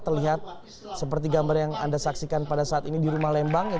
terlihat seperti gambar yang anda saksikan pada saat ini di rumah lembang